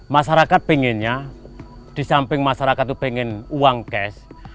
masyarakat pengennya di samping masyarakat itu pengen uang cash